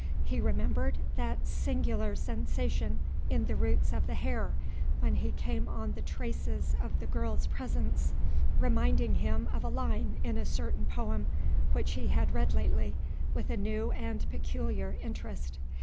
He remembered that singular sensation in the roots of the hair, when he came on the traces of the girl's presence, reminding him of a line in a certain poem which he had read lately with a new and peculiar interest.